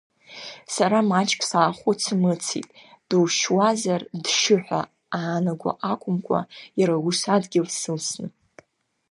Сара маҷк сааҳәыцымыцит душьуазар дшьы ҳәа аанарго акәымкәа, иара ус адгьыл сылсны.